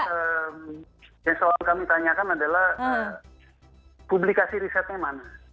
yang selalu kami tanyakan adalah publikasi risetnya mana